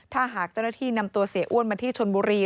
ถ้าหากเจ้าหน้าที่นำตัวเสียอ้วนมาที่ชนบุรี